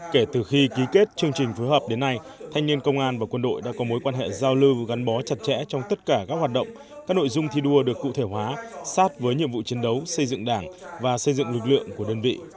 kể từ khi ký kết chương trình phối hợp đến nay thanh niên công an và quân đội đã có mối quan hệ giao lưu gắn bó chặt chẽ trong tất cả các hoạt động các nội dung thi đua được cụ thể hóa sát với nhiệm vụ chiến đấu xây dựng đảng và xây dựng lực lượng của đơn vị